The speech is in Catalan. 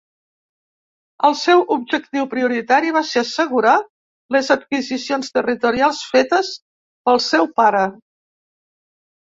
El seu objectiu prioritari va ser assegurar les adquisicions territorials fetes pel seu pare.